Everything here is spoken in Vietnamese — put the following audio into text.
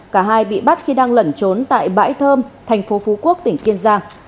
cả hai bị bắt khi đang lẩn trốn tại bãi thơm tp phú quốc tỉnh kiên giang